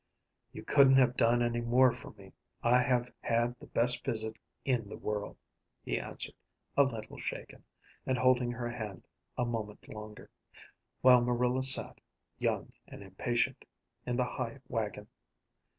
"You couldn't have done any more for me. I have had the best visit in the world," he answered, a little shaken, and holding her hand a moment longer, while Marilla sat, young and impatient, in the high wagon.